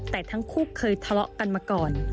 แต่ทั้งคู่เคยทะเลาะกันมาก่อน